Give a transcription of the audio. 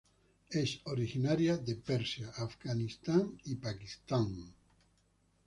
Es originaria de Persia, Afganistán, Pakistán.